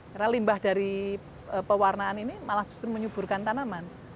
karena limbah dari pewarnaan ini malah justru menyuburkan tanaman